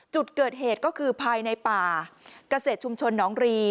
จุดเกิดเหตุก็คือภายในป่าเกษตรชุมชนหนองรี